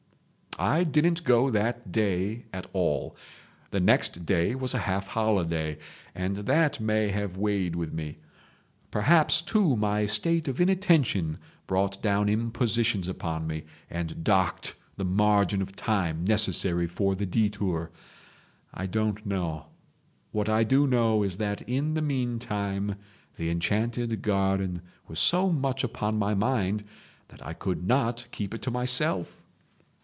"I didn't go that day at all. The next day was a half holiday, and that may have weighed with me. Perhaps, too, my state of inattention brought down impositions upon me and docked the margin of time necessary for the detour. I don't know. What I do know is that in the meantime the enchanted garden was so much upon my mind that I could not keep it to myself.